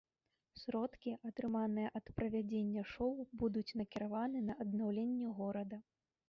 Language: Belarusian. Сродкі, атрыманыя ад правядзення шоў, будуць накіраваны на аднаўленне горада.